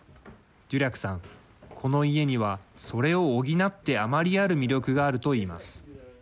デュリャクさん、この家にはそれを補ってあまりある魅力があると言います。